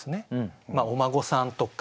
まあお孫さんとか。